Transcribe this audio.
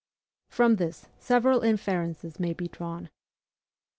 From this several inferences may be drawn.